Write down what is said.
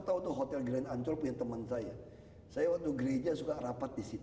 waktu hotel grand ancol punya teman saya saya waktu gereja sudah rapat disitu